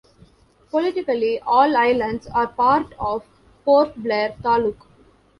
Politically, all islands are part of Port Blair Taluk.